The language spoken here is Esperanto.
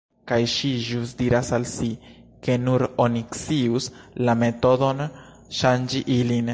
Kaj ŝi ĵus diras al si "se nur oni scius la metodon ŝanĝi ilin…"